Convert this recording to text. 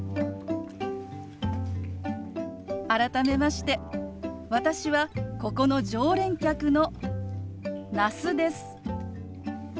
改めまして私はここの常連客の那須です。